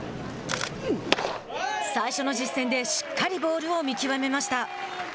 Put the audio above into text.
最初の実戦でしっかりボールを見極めました。